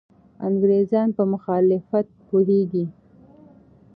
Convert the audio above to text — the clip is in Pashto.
انګریزان په مخالفت پوهېږي.